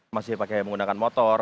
masih pakai menggunakan motor